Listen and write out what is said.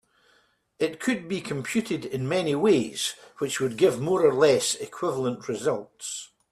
It could be computed in many ways which would give more or less equivalent results.